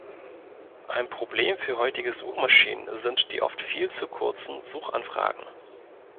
Ein Problem für heutige Suchmaschinen sind die oft viel zu kurzen Suchanfragen.